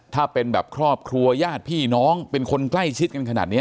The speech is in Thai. ถ้าเป็นแบบครอบครัวญาติพี่น้องเป็นคนใกล้ชิดกันขนาดนี้